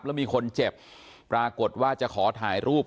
แล้วมีคนเจ็บปรากฏว่าจะขอถ่ายรูป